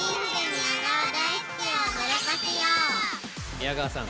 宮川さん！